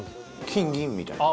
金銀みたいな。